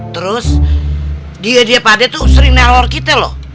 teror kita loh